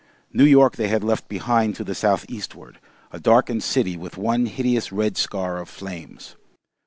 New York they had left behind to the south eastward, a darkened city with one hideous red scar of flames.